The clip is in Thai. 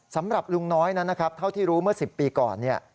สำหรับลุงน้อยนะครับเท่าที่รู้เมื่อ๑๐ปีก่อน